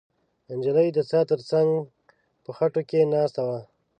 نجلۍ د څا تر څنګ په خټو کې ناسته وه.